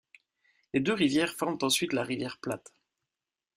Les deux rivières forment ensuite la rivière Platte.